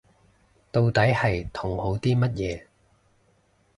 到底係同好啲乜嘢